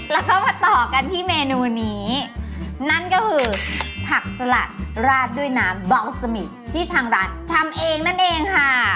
แล้วก็มาต่อกันที่เมนูนี้นั่นก็คือผักสลัดราดด้วยน้ำเบาสมิที่ทางร้านทำเองนั่นเองค่ะ